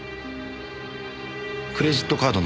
クレジットカードの名義。